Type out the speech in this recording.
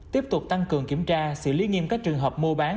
tiếp tục tăng cường kiểm tra xử lý nghiêm các trường hợp mua bán